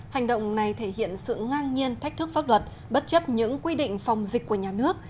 hành động này thể hiện sự ngang nhiên thách thức pháp luật bất chấp những quy định phòng dịch của nhà nước